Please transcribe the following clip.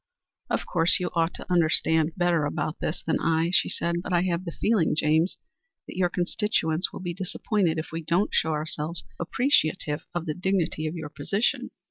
"Of course you ought to understand about this matter better than I," she said; "but I have the feeling, James, that your constituents will be disappointed if we don't show ourselves appreciative of the dignity of your position.